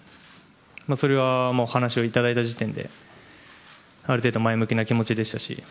それは話をいただいた時点である程度前向きな気持ちでしたし